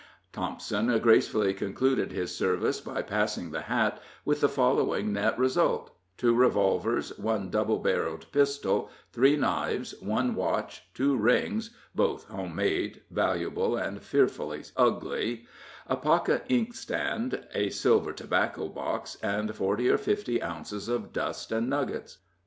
Thompson gracefully concluded his service by passing the hat, with the following net result: Two revolvers, one double barreled pistol, three knives, one watch, two rings (both home made, valuable and fearfully ugly), a pocket inkstand, a silver tobacco box, and forty or fifty ounces of dust and nuggets.